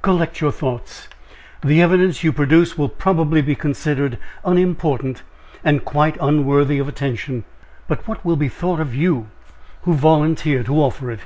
collect your thoughts the evidence you produce will probably be considered unimportant and quite unworthy of attention; but what will be thought of you who volunteer to offer it?"